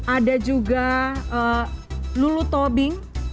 ada juga lulutobing